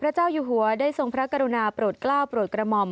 พระเจ้าอยู่หัวได้ทรงพระกรุณาพรถเกล้าพรถกระม่อม